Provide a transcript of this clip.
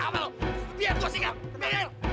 biar gua singgah